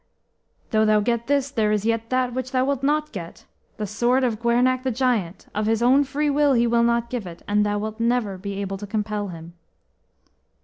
"Though thou get this, there is yet that which thou wilt not get the sword of Gwernach the Giant; of his own free will he will not give it, and thou wilt never be able to compel him."